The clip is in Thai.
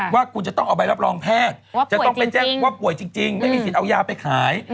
ว่าคุณจะต้องเอาไปรับรองแพทย์จะต้องไปแจ้งว่าป่วยจริงไม่มีสิทธิ์เอายาไปขาย